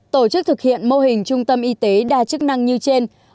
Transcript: tổ chức thực hiện mô hình trung tâm y tế đa chức năng như trên